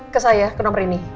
ke saya ke nomor ini